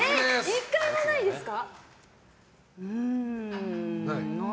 １回もないですか？